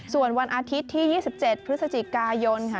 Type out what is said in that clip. ส่วนวันอาทิตย์ที่๒๗พฤศจิกายนค่ะ